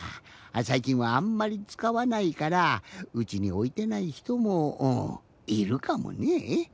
さいきんはあんまりつかわないからうちにおいてないひともいるかもねえ。